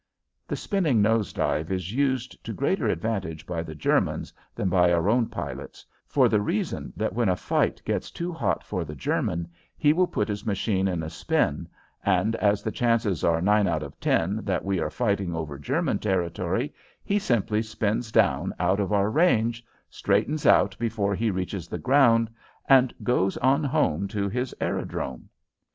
The spinning nose dive is used to greater advantage by the Germans than by our own pilots, for the reason that when a fight gets too hot for the German he will put his machine in a spin, and as the chances are nine out of ten that we are fighting over German territory, he simply spins down out of our range, straightens out before he reaches the ground, and goes on home to his aerodrome.